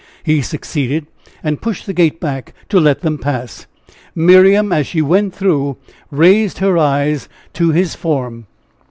He succeeded, and pushed the gate back to let them pass. Miriam, as she went through, raised her eyes to his form.